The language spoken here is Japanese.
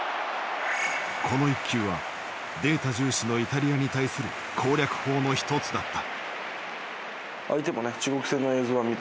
この１球はデータ重視のイタリアに対する攻略法の１つだった。